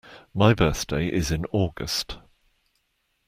My birthday is in August.